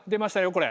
これ。